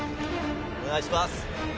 お願いします。